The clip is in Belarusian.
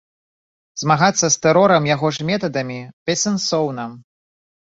Змагацца з тэрорам яго ж метадамі бессэнсоўна.